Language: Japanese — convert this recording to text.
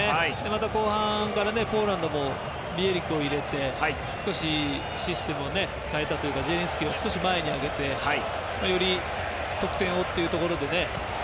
また後半からポーランドもビエリクを入れて少しシステムを変えたというかジエリンスキを少し前に上げてより得点をというところでね。